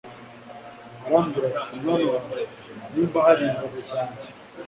Arambwira ati Mwana wanjye niba hari ingabo zanjye